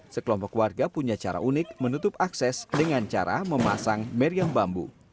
sekelompok warga punya cara unik menutup akses dengan cara memasang meriam bambu